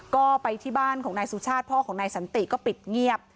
ก็ไปที่บ้านของนายสุชาติพ่อของนายสันติก็ปิดเงียบ